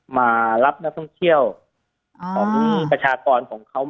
มารับนักท่องเที่ยวของประชากรของเขา